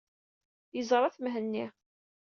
Yeẓra-t Mhenni.